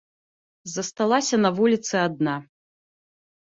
Засталася на вулiцы адна.